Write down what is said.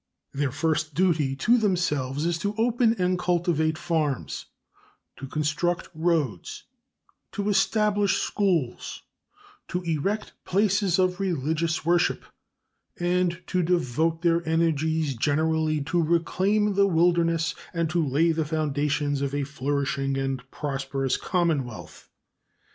Their first duty to themselves is to open and cultivate farms, to construct roads, to establish schools, to erect places of religious worship, and to devote their energies generally to reclaim the wilderness and to lay the foundations of a flourishing and prosperous commonwealth.